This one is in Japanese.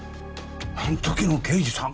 あん時の刑事さん！？